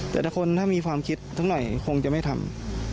แต่ถ้าคนถ้ามีความคิดสักหน่อยคงจะไม่ทำ